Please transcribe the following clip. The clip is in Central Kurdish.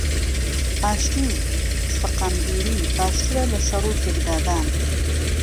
ئاشتی و سەقامگیری باشترە لەشەڕ و پێکدادان